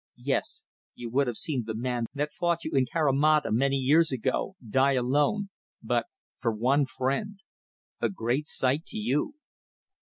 Yes; you would have seen the man that fought you in Carimata many years ago, die alone but for one friend. A great sight to you."